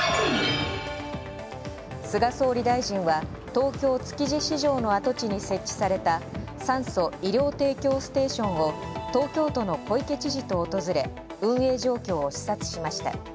菅総理大臣は東京・築地市場の跡地に設置された酸素・医療提供ステーションを東京都の小池知事と訪れ、運営状況を視察しました。